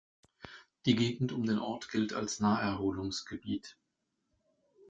Die Gegend um den Ort gilt als Naherholungsgebiet.